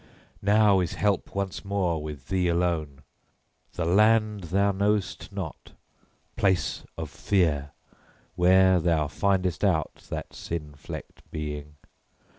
Now is help once more with thee alone! The land thou knowst not, place of fear, where thou findest out that sin flecked being.